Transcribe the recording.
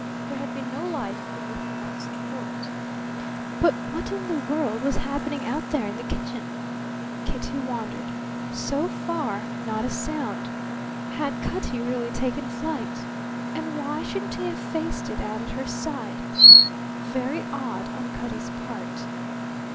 There had been no light in the room across the court. But what in the world was happening out there in the kitchen? Kitty wondered. So far, not a sound. Had Cutty really taken flight? And why shouldn't he have faced it out at her side? Very odd on Cutty's part.